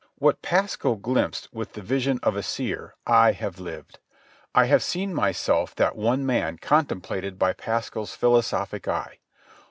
What Pascal glimpsed with the vision of a seer, I have lived. I have seen myself that one man contemplated by Pascal's philosophic eye.